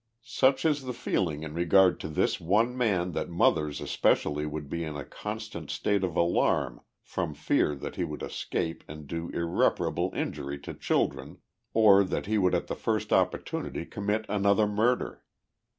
Such is the feeling in regard to this one man that mothers es o o pecially would be in a constant state of alarm from fear that he would escape and do irreparable injury to children, or that lie would at the first opportunity commit another murder.